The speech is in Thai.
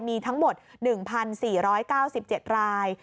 มีทั้งหมด๑๔๙๗ราย